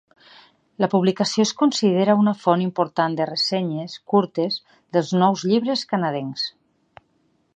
La publicació es considera una font important de ressenyes curtes dels nous llibres canadencs.